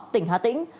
tỉnh hà tĩnh